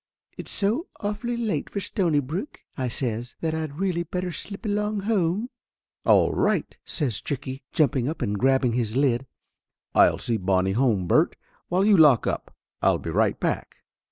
"It's so awfully late for Stonybrook," I says, "that I'd really better slip along home !" "All right !" says Stricky, jumping up and grabbing his lid. "I'll see Bonnie home, Bert, while you lock up. I'll be right back."